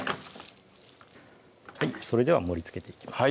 それでは盛りつけていきます